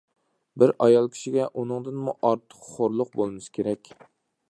بىر ئايال كىشىگە ئۇنىڭدىمۇ ئارتۇق خورلۇق بولمىسا كېرەك.